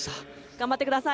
頑張ってください。